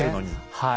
はい。